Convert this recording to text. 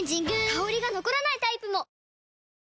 香りが残らないタイプも！